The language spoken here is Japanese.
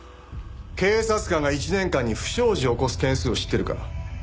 警察官が１年間に不祥事を起こす件数を知ってるか？